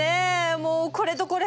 もうこれとこれ。